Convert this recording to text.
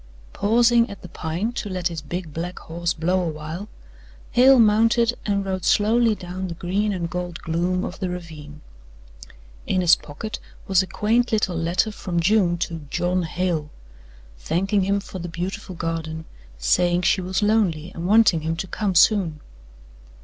XVIII Pausing at the Pine to let his big black horse blow a while, Hale mounted and rode slowly down the green and gold gloom of the ravine. In his pocket was a quaint little letter from June to "John Hail"; thanking him for the beautiful garden, saying she was lonely, and wanting him to come soon.